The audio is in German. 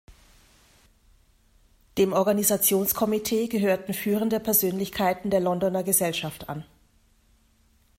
Dem Organisationskomitee gehörten führende Persönlichkeiten der Londoner Gesellschaft an.